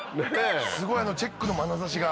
すごいチェックのまなざしが。